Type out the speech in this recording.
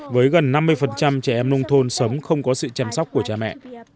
với gần năm mươi trẻ em nông thôn sống không có sự chăm sóc của cha mẹ